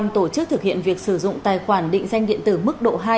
tổ chức thực hiện việc sử dụng tài khoản định danh điện tử mức độ hai